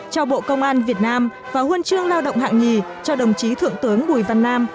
cho bộ công an việt nam và huân chương lao động hạng nhì cho đồng chí thượng tướng bùi văn nam